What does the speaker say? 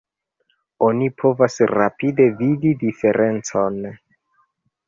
Oni povas rapide vidi diferencon.